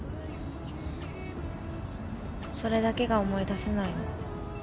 それだけが思い出せないの。